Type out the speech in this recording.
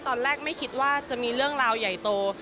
ตอนแรกไม่คิดว่าจะมีเรื่องราวใหญ่โต